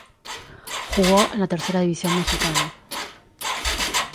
Jugó en la Tercera división mexicana.